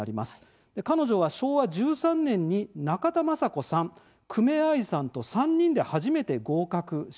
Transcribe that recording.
彼女は昭和１３年に中田正子さん、久米愛さんと３人で初めて合格しました。